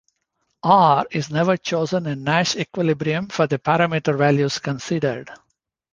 R is never chosen in Nash equilibrium for the parameter values considered.